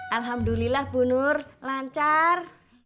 alhamdulillah bu nur lancar